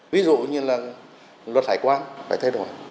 ví dụ như là luật hải quan phải thay đổi